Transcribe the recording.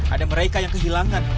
ada mereka yang kehilangan